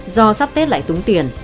do sắp tết lại túng tiền